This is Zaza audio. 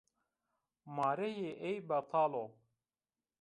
Mareyê ey betal o